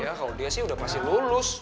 ya kalau dia sih udah pasti lulus